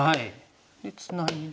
でツナギで。